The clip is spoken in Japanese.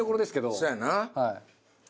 そやな。